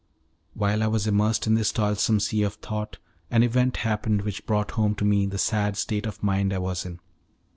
While I was immersed in this toilsome sea of thought, an event happened which brought home to me the sad state of mind I was in.